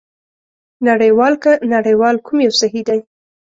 نړۍوال که نړیوال کوم یو صحي دی؟